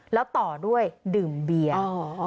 แล้วต่อด้วยดื่มเบียร์